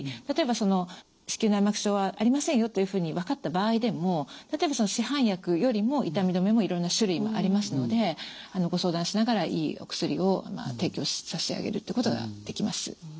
例えばその子宮内膜症はありませんよというふうに分かった場合でも例えばその市販薬よりも痛み止めもいろんな種類もありますのでご相談しながらいいお薬を提供してさしあげるってことができます。